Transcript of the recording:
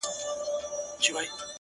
هېره مي يې؛